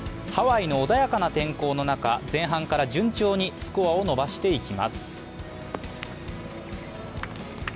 ハワイの穏やかな天候の中、前半から順調にスコアを伸ばしていきます。